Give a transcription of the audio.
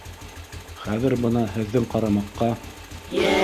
Хәҙер бына һеҙҙең ҡарамаҡҡа